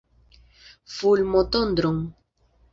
Fulmotondron!